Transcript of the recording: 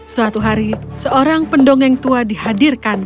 suatu hari seorang pendongeng tua dihadirkan